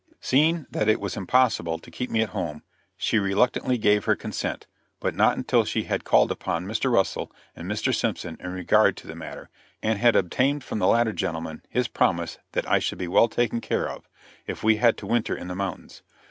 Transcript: Seeing that it was impossible to keep me at home, she reluctantly gave her consent, but not until she had called upon Mr. Russell and Mr. Simpson in regard to the matter, and had obtained from the latter gentleman his promise that I should be well taken care of, if we had to winter in the mountains.